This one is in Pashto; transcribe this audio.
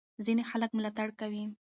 ځینې خلک ملاتړ کوي.